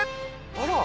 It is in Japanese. あら！